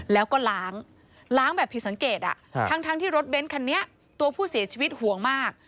แล้วก็ล้างล้างแบบผิดสังเกตทั้งที่รถเบ้นคันนี้ตัวผู้เสียชีวิตห่วงมาก